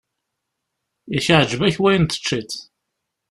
Yak iɛǧeb-ak wayen teččiḍ!